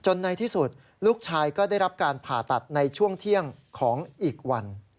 ในที่สุดลูกชายก็ได้รับการผ่าตัดในช่วงเที่ยงของอีกวัน